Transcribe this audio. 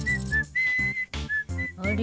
あれ？